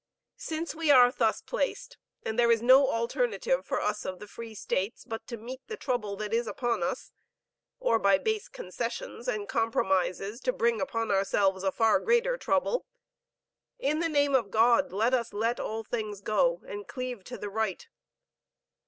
Since we are thus placed, and there is no alternative for us of the free States, but to meet the trouble that is upon us, or by base concessions and compromises to bring upon ourselves a far greater trouble, in the name of God, let us let all things go, and cleave to the right.